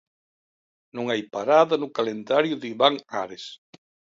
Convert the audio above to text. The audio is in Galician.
Non hai parada no calendario de Iván Ares.